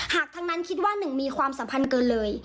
หากทั้งนั้นคิดว่าหนึ่งมีความสัมพันธ์เกินเลย